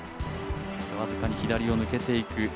僅かに左を抜けていく。